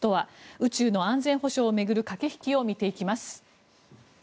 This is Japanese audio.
宇宙の安全保障を巡る駆け引きを見ていきます。